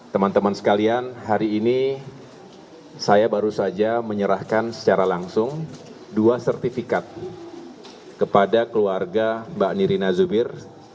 teman teman sekalian hari ini saya baru saja menyerahkan secara langsung dua sertifikat kepada keluarga mbak nirina zumir